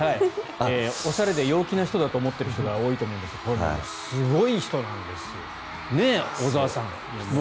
おしゃれで陽気な人だと思っている人が多いと思いますがすごい人なんですよ。ね、小澤さん。